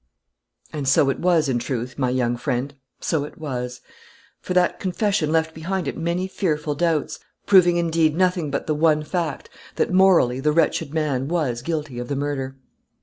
"And so it was, in truth, my young friend so it was; for that confession left behind it many fearful doubts, proving, indeed, nothing but the one fact, that, morally, the wretched man was guilty of the murder."